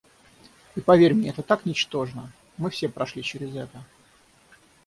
И поверь мне, это так ничтожно... Мы все прошли через это.